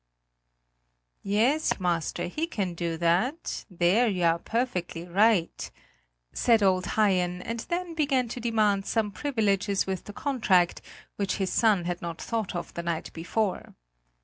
"Yes, yes, dikemaster, he can do that; there you are perfectly right;" said old Haien and then began to demand some privileges with the contract which his son had not thought of the night before.